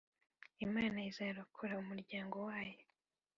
Imana izarokora umuryango wayo